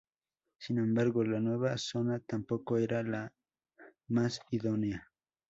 Sin embargo la nueva zona tampoco era la más idónea.